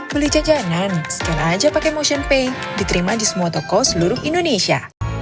beli jajanan scan aja pake motionpay diterima di semua toko seluruh indonesia